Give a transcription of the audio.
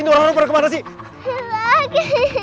ini orang orang pada kemana sih